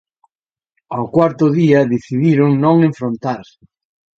Ó cuarto día decidiron non enfrontarse.